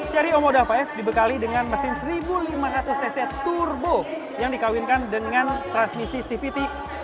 cerio moda lima dibekali dengan mesin seribu lima ratus cc turbo yang dikawinkan dengan transmisi cvt